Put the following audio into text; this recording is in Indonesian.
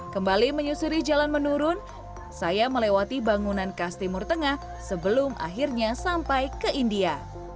kembali menyusuri jalan menurun saya melewati bangunan khas timur tengah sebelum akhirnya sampai ke india